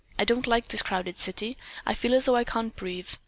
I don't like this crowded city. I feel as though I can't breathe.